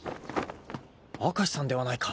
明石さんではないか！